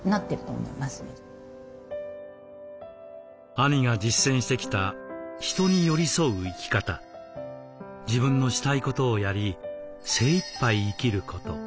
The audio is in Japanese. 兄が実践してきた「人に寄り添う生き方」「自分のしたいことをやり精いっぱい生きること」